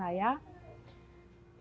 salah satu motivator saya